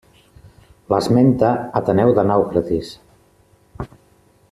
L'esmenta Ateneu de Naucratis.